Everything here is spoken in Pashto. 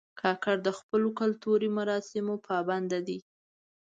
کاکړ د خپلو کلتوري مراسمو پابند دي.